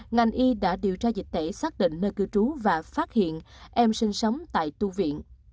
ngành y đã điều tra dịch tễ xác định nơi cư trú và phát hiện em sinh sống tại tu viện